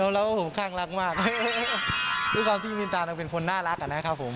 แล้วผมข้างรักมากด้วยความที่มินตานางเป็นคนน่ารักอะนะครับผม